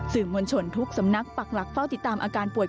มวลชนทุกสำนักปักหลักเฝ้าติดตามอาการป่วย